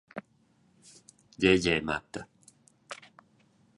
Gie, gie, matta.